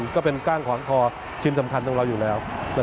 ก็เป็นก้านขวานคอชิ้นสำคัญของเราอยู่แล้ว